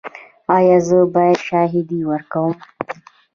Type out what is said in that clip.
ایا زه باید شاهدي ورکړم؟